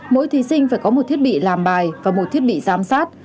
mỗi thí sinh phải có một thiết bị làm bài và một thiết bị giám sát